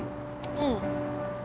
うん。